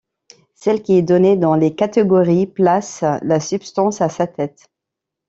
Celle qui est donnée dans Les Catégories place la substance à sa tête.